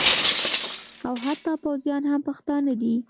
او حتی پوځیان هم پښتانه دي